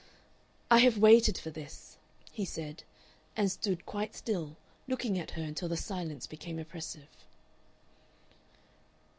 "I have waited for this," he said, and stood quite still, looking at her until the silence became oppressive.